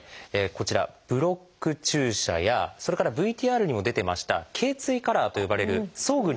こちらブロック注射やそれからＶＴＲにも出てました「頚椎カラー」と呼ばれる装具による固定が。